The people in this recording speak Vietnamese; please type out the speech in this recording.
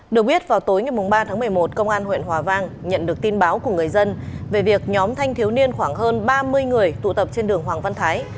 được biết vào tối ngày ba tháng một mươi một công an huyện hòa vang nhận được tin báo của người dân về việc nhóm thanh thiếu niên khoảng hơn ba mươi người tụ tập trên đường hoàng văn thái